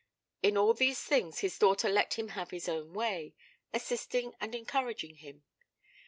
In all these things his daughter let him have his own way, assisting and encouraging him.